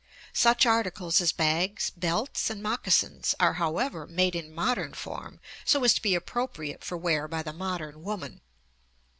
Such articles as bags, belts, and moccasins are, however, made in modern form so as to be appropriate for wear by the modern woman.